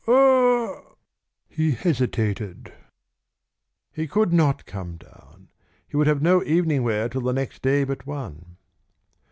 "Er " He hesitated. He could not come down. He would have no evening wear till the next day but one.